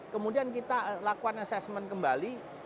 kemudian kita lakukan assessment kembali